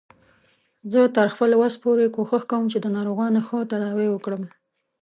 زه تر خپل وس پورې کوښښ کوم چې د ناروغانو ښه تداوی وکړم